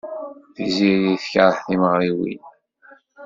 Tiziri tekṛeh timeɣriwin.